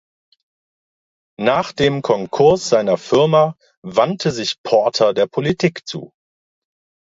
Nach dem Konkurs seiner Firma wandte sich Porter der Politik zu.